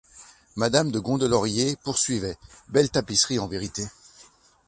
Madame de Gondelaurier poursuivait: — Belles tapisseries, en vérité.